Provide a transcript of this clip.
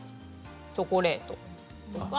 チョコレートとか。